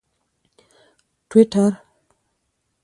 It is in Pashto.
ټویټر